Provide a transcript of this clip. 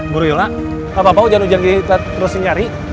bu yola apa apa hujan hujan kita terusin nyari